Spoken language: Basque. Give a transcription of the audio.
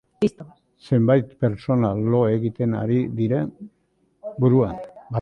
Zenbait pertsona lo egiten ari ziren barruan.